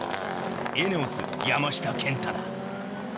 エネオス山下健太だ